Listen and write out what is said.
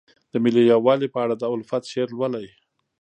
د ملي یووالي په اړه د الفت شعر لولئ.